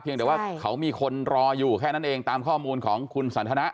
เดี๋ยวว่าเขามีคนรออยู่แค่นั้นเองตามข้อมูลของคุณสันทนะ